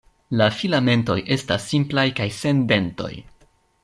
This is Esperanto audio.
La filamentoj estas simplaj kaj sen dentoj.